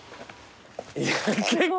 いや結構。